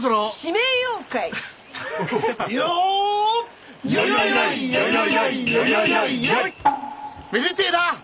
めでてえなぁ！